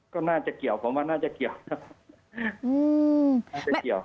ก็น่าจะเกี่ยวผมว่าน่าจะเกี่ยวนะครับ